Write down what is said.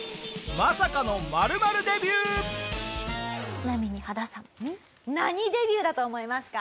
ちなみに羽田さん何デビューだと思いますか？